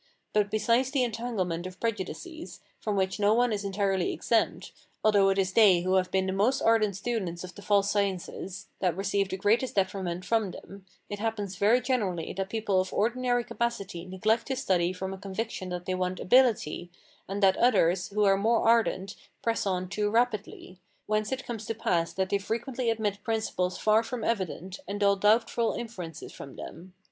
But, besides the entanglement of prejudices, from which no one is entirely exempt, although it is they who have been the most ardent students of the false sciences that receive the greatest detriment from them, it happens very generally that people of ordinary capacity neglect to study from a conviction that they want ability, and that others, who are more ardent, press on too rapidly: whence it comes to pass that they frequently admit principles far from evident, and draw doubtful inferences from them.